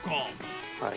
はい。